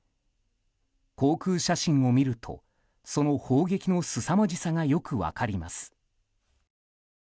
航空写真を見るとその砲撃のすさまじさがよく分かります。